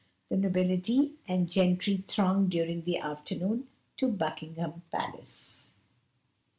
The nobility and gentry thronged during the afternoon to Buckingham Palace.